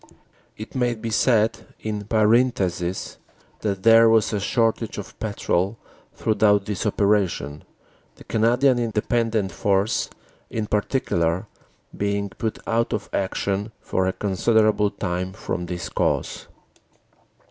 It may be said in parenthesis that OPERATIONS : AUG. 8 39 there was a shortage of petrol throughout this operation, the Canadian Independent Force in particular being put out of action for a considerable time from this cause.